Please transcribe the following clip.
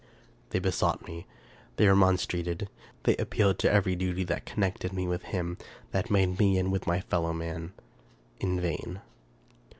They besought me — they remonstrated — they appealed to every duty that connected me with Him that made me and with my fellow men — in vain.